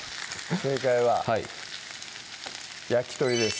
正解は焼き鳥です